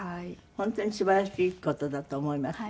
本当にすばらしい事だと思いますよね。